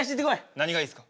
何がいいですか？